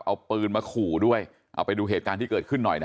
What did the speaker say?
เอาปืนมาขู่ด้วยเอาไปดูเหตุการณ์ที่เกิดขึ้นหน่อยนะ